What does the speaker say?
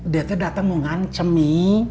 dia tuh datang mau ngancemi